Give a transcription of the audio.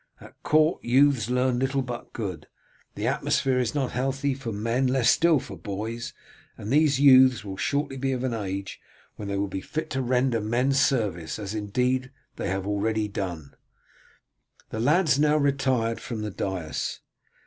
At court youths learn but little good. The atmosphere is not healthy for men still less for boys, and these youths will shortly be of an age when they will be fit to render men's service, as indeed they have already done." The lads now retired from the dais.